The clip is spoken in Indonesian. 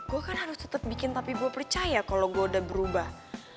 gue kan harus tetap bikin tapi gue percaya kalau gue udah berubah